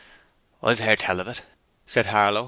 'I've heard tell of it,' said Harlow.